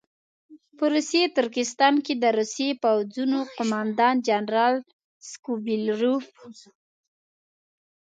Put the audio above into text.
په روسي ترکستان کې د روسي پوځونو قوماندان جنرال سکوبیلروف.